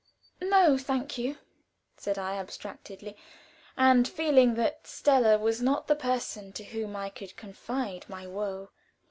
"No, thank you," said I, abstractedly, and feeling that Stella was not the person to whom I could confide my woe.